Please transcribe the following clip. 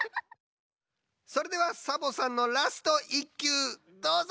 それではサボさんのラスト１きゅうどうぞ！